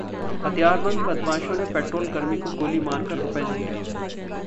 हथियारबंद बदमाशों ने पेट्रोलकर्मी को गोली मार कर रुपये लूटे